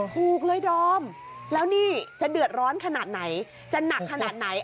ถูกเลยดอมแล้วนี่จะเดือดร้อนขนาดไหนจะหนักขนาดไหน